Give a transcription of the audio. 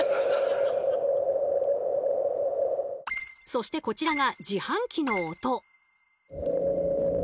そしてこちらが自販機の音。